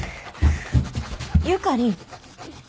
ゆかりん。